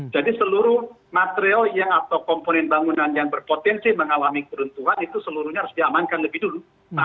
jadi seluruh material yang atau komponen bangunan yang berpotensi mengalami keruntuhan itu seluruhnya harus diamankan lebih dulu